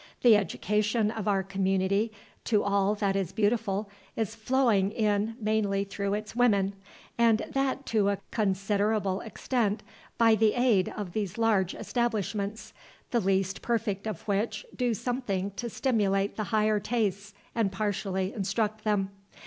The education of our community to all that is beautiful is flowing in mainly through its women, and that to a considerable extent by the aid of these large establishments, the least perfect of which do something to stimulate the higher tastes and partially instruct them.